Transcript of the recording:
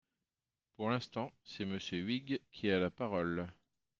Pour l’instant, c’est Monsieur Huyghe qui a la parole.